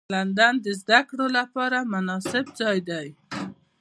لندن د زدهکړو لپاره مناسب ځای دی